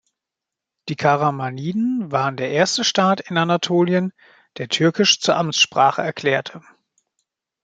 Die Karamaniden waren der erste Staat in Anatolien, der Türkisch zur Amtssprache erklärte.